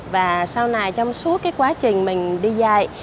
và sau này trong suốt cái quá trình mình đi dạy